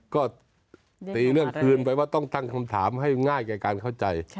ก็ตีเรื่องคืนไปว่าต้องตั้งคำถามให้ง่ายแก่การเข้าใจ